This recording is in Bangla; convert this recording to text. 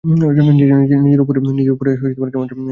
নিজের ওপরই কেমন যেন রাগ হচ্ছে।